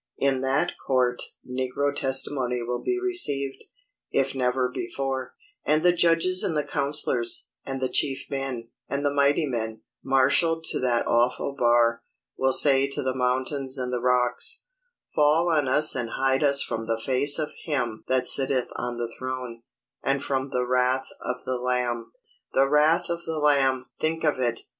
In that court negro testimony will be received, if never before; and the judges and the counsellors, and the chief men, and the mighty men, marshalled to that awful bar, will say to the mountains and the rocks, "Fall on us and hide us from the face of Him that sitteth on the throne, and from the wrath of the Lamb." The wrath of the Lamb! Think of it!